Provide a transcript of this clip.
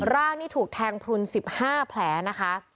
ร่างนี่ถูกแทงพลุน๑๕แผลนะคะ